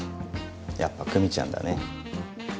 やっぱ久美ちゃんだね。